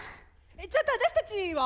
ちょっと私たちは？